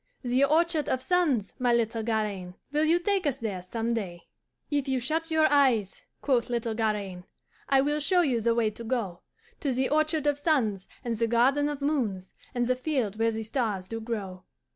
The orchard of suns, my little Garaine, Will you take us there some day?' "'If you shut your eyes,' quoth little Garaine, 'I will show you the way to go To the orchard of suns, and the garden of moons, And the field where the stars do grow.